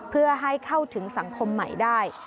เพื่อให้เข้าถึงสังคมใหม่ได้